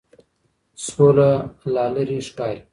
سوله لا لرې ښکاري.